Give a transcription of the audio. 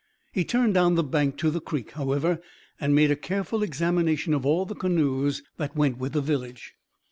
He turned down the bank to the creek, however, and made a careful examination of all the canoes that went with the village.